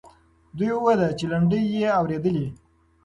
دوی وویل چې لنډۍ یې اورېدلې.